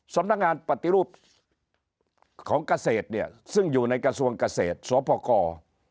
สำนักงานปฏิรูปของเกษตรเนี่ยซึ่งอยู่ในกระทรวงเกษตรสพกร